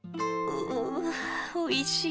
うおいしい。